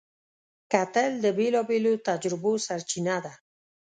کتل د بېلابېلو تجربو سرچینه ده